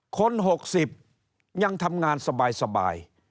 คน๖๐ยังทำงานสบาย